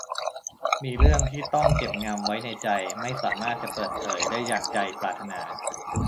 มีเรื่องที่ต้องเก็บงำไว้ในใจไม่สามารถจะเปิดเผยได้อย่างใจปรารถนา